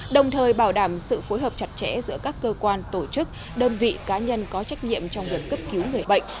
đồng thời bảo đảm sự phối hợp chặt chẽ giữa các cơ quan tổ chức đơn vị cá nhân có trách nhiệm trong việc cấp cứu người bệnh